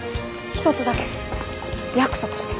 一つだけ約束して。